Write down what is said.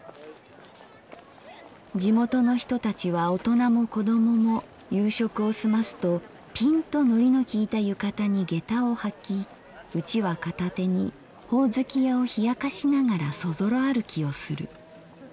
地元の人たちは大人も子供も夕食をすますとピンと糊のきいた浴衣に下駄をはきうちわ片手にほおずき屋をひやかしながらそぞろ歩きをする。